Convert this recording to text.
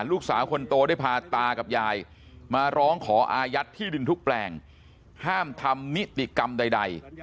ลูกสาวคนโตได้พาตากับยายมาร้องขออายัดที่ดินทุกแปลงห้ามทำนิติกรรมใด